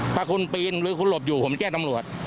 ถ้าคุณปีนหรือคุณหลบอยู่ผมแจ้งตำรวจ